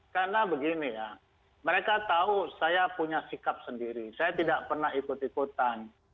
karena begini ya mereka tahu saya punya sikap sendiri saya tidak pernah ikut ikutan